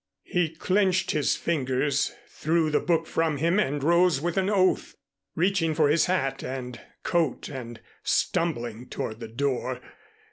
He clenched his fingers, threw the book from him and rose with an oath, reaching for his hat and coat and stumbling toward the door.